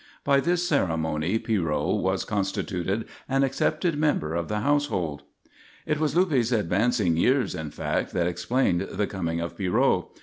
By this ceremony Pierrot was constituted an accepted member of the household. It was Luppe's advancing years, in fact, that explained the coming of Pierrot.